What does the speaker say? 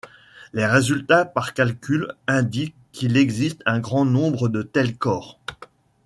Les résultats par calculs indiquent qu'il existe un grand nombre de tels corps.